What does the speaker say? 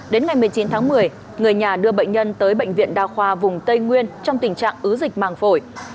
đến ngày một mươi chín tháng một mươi người nhà đưa bệnh nhân tới bệnh viện đa khoa vùng tây nguyên trong tình trạng ứ dịch màng phổi